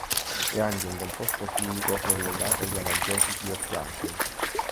È anche un composto chimico che è legato agli analgesici oppiacei.